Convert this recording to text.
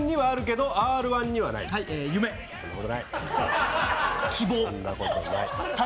そんなことない！